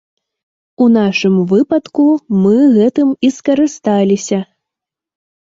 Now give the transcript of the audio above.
У нашым выпадку мы гэтым і скарысталіся.